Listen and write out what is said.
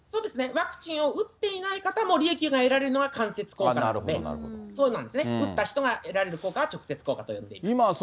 ワクチンを打っていない方も利益が得られるというのが間接効果ですね、打った人が得られる効果は直接効果と呼んでいます。